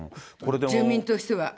住民としては。